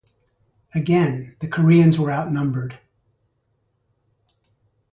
Again, the Koreans were outnumbered.